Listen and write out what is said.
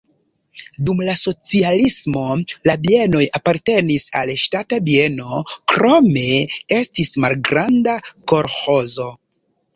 Dum la socialismo la bienoj apartenis al ŝtata bieno, krome estis malgranda kolĥozo.